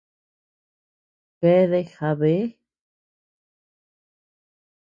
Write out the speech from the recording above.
Keadea jabee.